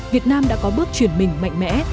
việt nam đã có bước chuyển mình mạnh mẽ